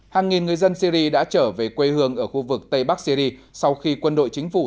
hàng nghìn người dân syri đã trở về quê hương ở khu vực tây bắc syri sau khi quân đội chính phủ